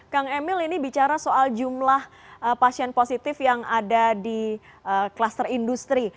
kang emil ini bicara soal jumlah pasien positif yang ada di kluster industri